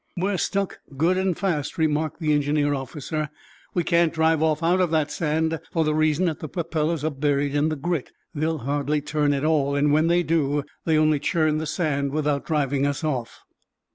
"We're stuck good and fast," remarked the engineer officer. "We can't drive off out of that sand for the reason that the propellers are buried in the grit. They'll hardly turn at all, and, when they do, they only churn the sand without driving us off."